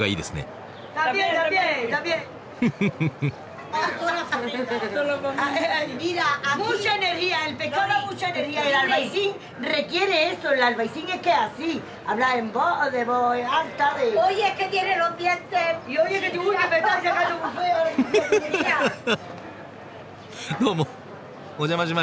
どうもお邪魔しました。